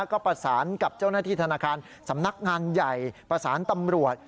ก็ประสานกับเจ้าหน้าที่ธนาคารสำนักงานใหญ่ประสานตำรวจ